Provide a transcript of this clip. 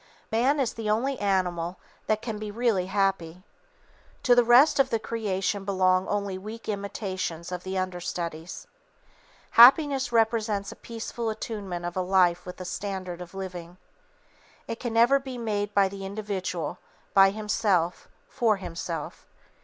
Man is the only animal that can be really happy. To the rest of the creation belong only weak imitations of the understudies. Happiness represents a peaceful attunement of a life with a standard of living. It can never be made by the individual, by himself, for himself.